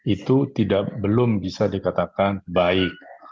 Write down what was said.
itu belum bisa dikatakan baik